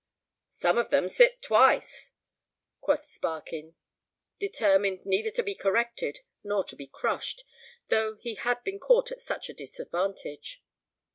"Some of them sit twice," quoth Sparkin, determined neither to be corrected nor to be crushed, though he had been caught at such a disadvantage.